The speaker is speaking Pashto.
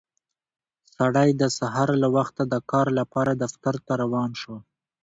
سړی د سهار له وخته د کار لپاره دفتر ته روان شو